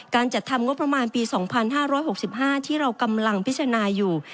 จัดทำงบประมาณปี๒๕๖๕ที่เรากำลังพิจารณาอยู่